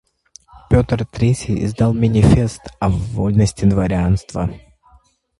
Пётр Третий издал Манифест о вольности дворянства.